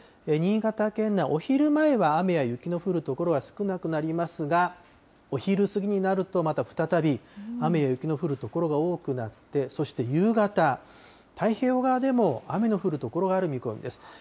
新潟県内、お昼前は雨や雪の降る所は少なくなりますが、お昼過ぎになると、また再び、雨や雪の降る所が多くなって、そして夕方、太平洋側でも雨の降る所がある見込みです。